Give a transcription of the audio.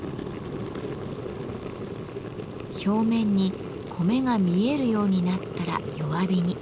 表面に米が見えるようになったら弱火に。